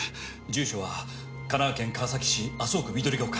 住所は神奈川県川崎市麻生区緑ヶ丘。